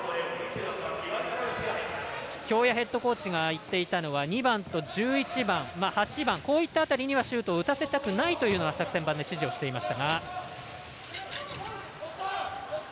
京谷ヘッドコーチが言っていたのは２番と１１番、８番こういった辺りにはシュートを打たせたくないというのが作戦盤で指示をしていました。